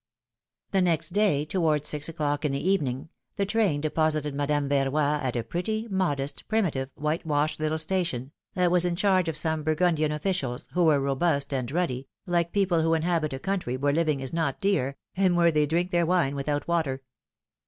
HE next day, towards six o'clock in the evening, the L train deposited Madame Verroy at a pretty, modest, primitive, whitewashed little station, that was in charge of some Burgundian officials, who were robust and ruddy, like people who inhabit a country where living is not dear, and where they drink their wine without water.